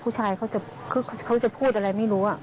ผู้ชายเขาจะพูดอะไรไม่รู้